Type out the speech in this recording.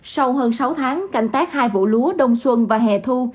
sau hơn sáu tháng cảnh tác hai vụ lúa đông xuân và hẻ thu